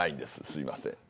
すいません。